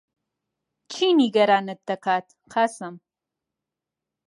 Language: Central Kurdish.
چی نیگەرانت دەکات، قاسم؟